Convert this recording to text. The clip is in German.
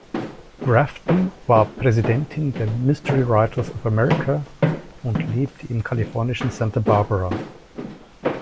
Grafton war Präsidentin der Mystery Writers of America und lebte im kalifornischen Santa Barbara.